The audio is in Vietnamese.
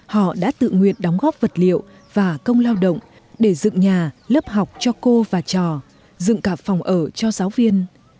họ đã tự nguyện đóng góp vật liệu và công lao động để dựng nhà lớp học cho cô và trò dựng cả phòng ở cho giáo viên